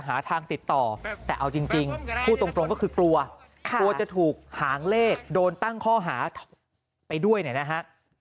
หาทางติดต่อแต่เอาจริงพูดตรงก็คือกลัวกลัวจะถูกหางเลขโดนตั้งข้อหาไปด้วยเนี่ยนะฮะ